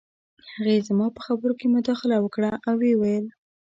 هغې زما په خبرو کې مداخله وکړه او وویې ویل